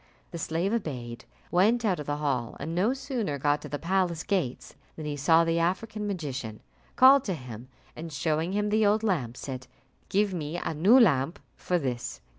The slave obeyed, went out of the hall, and no sooner got to the palace gates than he saw the African magician, called to him, and showing him the old lamp, said, "Give me a new lamp for this."